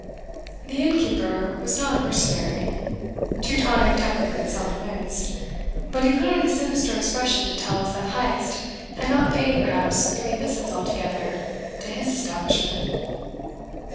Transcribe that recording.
The innkeeper was not mercenary. Teutonic temperament seldom is. But he put on a sinister expression to tell us that Heyst had not paid perhaps three visits altogether to his "establishment."